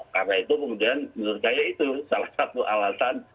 karena itu kemudian menurut saya itu salah satu alasan